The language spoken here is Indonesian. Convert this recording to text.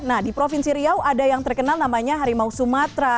nah di provinsi riau ada yang terkenal namanya harimau sumatera